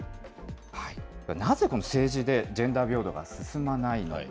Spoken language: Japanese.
なぜ政治でジェンダー平等が進まないのか。